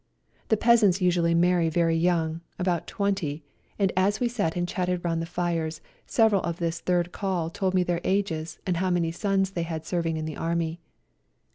The peasants usually marry very young, about twenty ; and as we sat and chatted round the fires several of this Third Call told me their ages and how many sons they had serving in the Army.